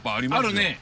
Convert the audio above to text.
あるね